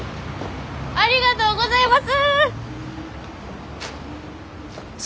ありがとうございます！